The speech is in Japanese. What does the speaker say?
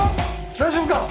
大丈夫か？